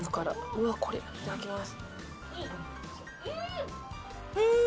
うわこれいただきます。